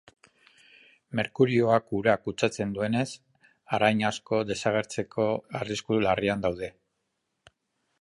Merkurioak ura kutsatzen duenez, arrain asko desagertzeko arrisku larrian daude.